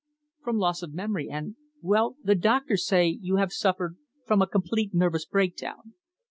"From loss of memory, and well, the doctors say you have suffered from a complete nervous breakdown."